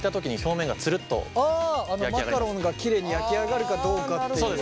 マカロンがきれいに焼き上がるかどうかっていう。